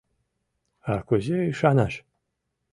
А кузе ӱшанаш?